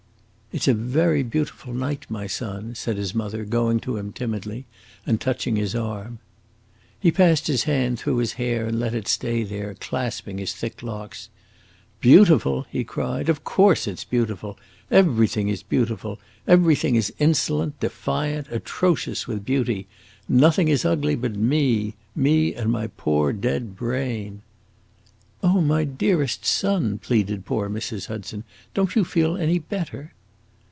"It 's a very beautiful night, my son," said his mother, going to him timidly, and touching his arm. He passed his hand through his hair and let it stay there, clasping his thick locks. "Beautiful?" he cried; "of course it 's beautiful! Everything is beautiful; everything is insolent, defiant, atrocious with beauty. Nothing is ugly but me me and my poor dead brain!" "Oh, my dearest son," pleaded poor Mrs. Hudson, "don't you feel any better?"